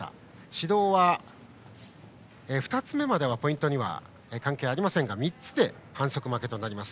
指導は２つ目まではポイントに関係ありませんが３つで反則負けとなります。